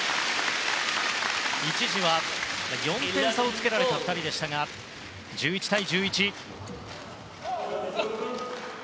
一時は４点差をつけられた２人でしたが１１対１１。